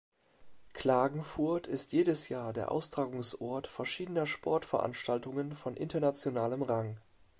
Klagenfurt ist jedes Jahr der Austragungsort verschiedener Sportveranstaltungen von internationalem Rang.